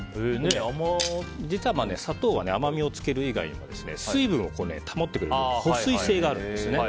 実は砂糖は甘みを付ける以外にも水分を保ってくれる保水性があるんですね。